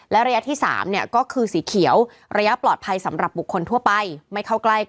และระยะที่๓ก็คือสีเขียวระยะปลอดภัยสำหรับบุคคลทั่วไป